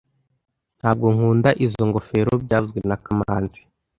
Ntabwo nkunda izoi ngofero byavuzwe na kamanzi